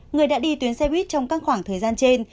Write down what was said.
người đã đi tuyến xe buýt trong các khoảng thời gian trên